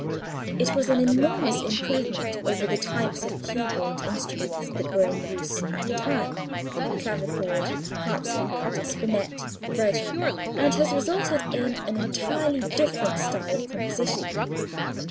It was an enormous improvement over the types of keyboard instrument that were in use at that time (clavichord, harpsichord, spinet, virginal) and has resulted in an entirely different style of composition.